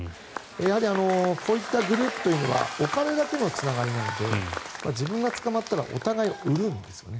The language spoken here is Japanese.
やはりこういったグループというのはお金だけのつながりなので自分が捕まったらお互い、売るんですよね。